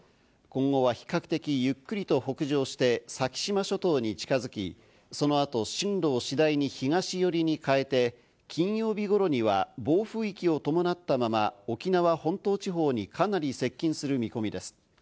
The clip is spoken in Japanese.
今後は比較的ゆっくりと北上して先島諸島に近づき、その後、進路を次第に東寄りに変えて、金曜日頃には暴風域を伴ったまま、沖縄本島地方にかなり接近する見込みです。